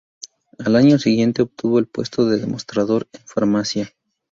Al año siguiente obtuvo el puesto de demostrador en farmacia.